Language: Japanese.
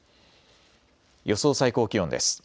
予想最高気温です。